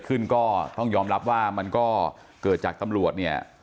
ก็ต้องยอมรับว่ามันก็เกิดจากตำรวจเนี่ย